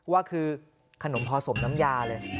ว่าคือขนมพอสมน้ำยาเลย